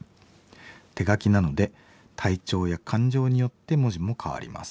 手書きなので体調や感情によって文字も変わります。